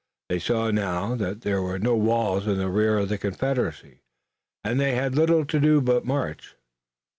They saw now that there were no walls in the rear of the Confederacy and they had little to do but march.